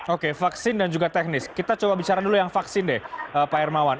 oke vaksin dan juga teknis kita coba bicara dulu yang vaksin deh pak hermawan